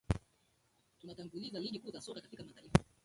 tunaangalizia ligi kuu za soka katika mataifa